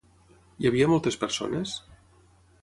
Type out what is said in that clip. Hi havia moltes persones?